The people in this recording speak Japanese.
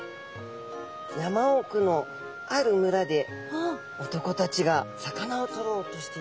やまおくのある村で男たちが魚をとろうとしていました。